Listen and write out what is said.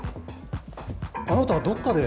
あなたどっかで。